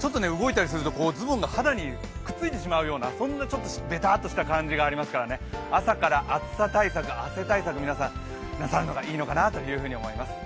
ちょっと動いたりすると、ズボンが肌にくっついてしまうようなちょっとべたっとした感じがありますから、朝から暑さ対策、汗対策、皆さんなさるのがいいと思います。